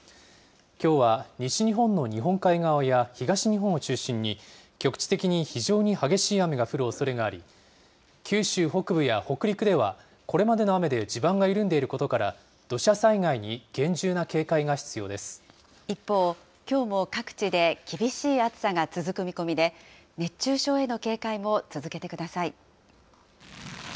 きょうは西日本の日本海側や東日本を中心に、局地的に非常に激しい雨が降るおそれがあり、九州北部や北陸ではこれまでの雨で地盤が緩んでいることから、土一方、きょうも各地で厳しい暑さが続く見込みで、熱中症への警戒も続けてください。